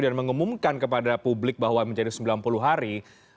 dan mengumumkan kepada publik bahwa menjadi sembilan puluh hari